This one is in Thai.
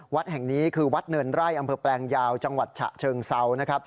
วัดแห่งนี้คือวัดเนินไร่อำเภอแปลงยาวจังหวัดฉะเชิงเซานะครับ